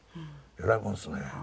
偉いもんですね。